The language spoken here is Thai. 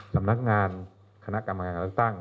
สำนักงานคณะกรรมการการเลือกตั้ง